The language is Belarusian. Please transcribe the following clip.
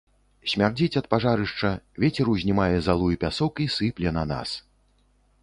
Смярдзіць ад пажарышча, вецер узнімае залу і пясок і сыпле на нас.